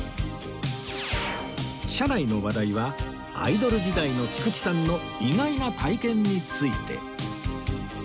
車内の話題はアイドル時代の菊池さんの意外な体験について